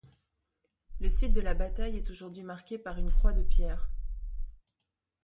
Le site de la bataille est aujourd'hui marqué par une croix de pierre.